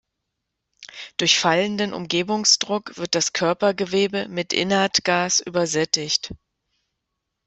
Durch fallenden Umgebungsdruck wird das Körpergewebe mit Inertgas übersättigt.